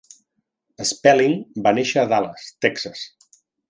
Spelling va néixer a Dallas, Texas.